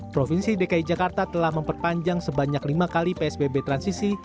provinsi dki jakarta telah memperpanjang sebanyak lima kali psbb transisi